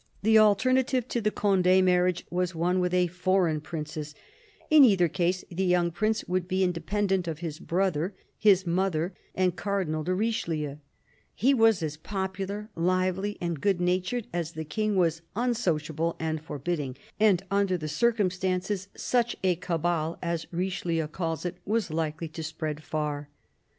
The alternative to the Conde marriage was one with a foreign princess ; in either case the young prince would be inde pendent of his brother, his mother and Cardinal de Richelieu. He was as popular, lively and good natured as the King was unsociable and forbidding; and under the circum stances such a " cabale," as Richelieu calls it, was likely to spread far.